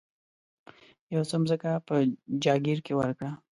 یو څه مځکه یې په جاګیر کې ورکړه.